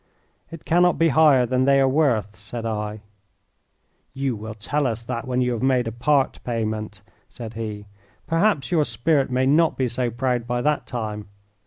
"It cannot be higher than they are worth," said I. "You will tell us that when you have made a part payment," said he. "Perhaps your spirit may not be so proud by that time.